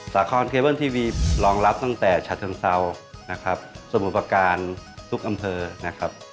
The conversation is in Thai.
สาคอนเคเบิ้ลทีวีรองรับตั้งแต่ฉะเชิงเซานะครับสมุทรประการทุกอำเภอนะครับ